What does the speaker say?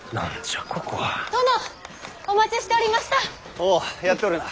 おうやっておるな。